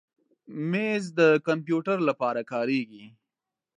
مېز د کمپیوټر لپاره کارېږي.